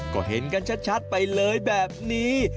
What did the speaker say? ก็เห็นกันชัดไปเลยแบบนี้